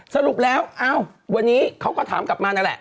สรุปแล้วอ้าววันนี้เขาก็ถามกลับมานั่นแหละ